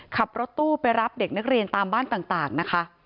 ขับรถตู้ไปรับเด็กนักเรียนตามบ้านต่างนะคะ